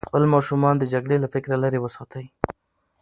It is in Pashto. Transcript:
خپل ماشومان د جګړې له فکره لرې وساتئ.